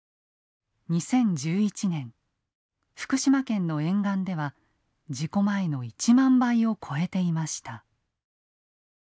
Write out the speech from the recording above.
２０１１年福島県の沿岸では事故前の１万倍を超えていました。